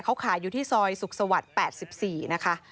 เขาขายอยู่ที่ซอยสุขสวรรค์๘๔นะคะ